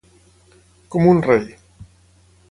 Com un rei.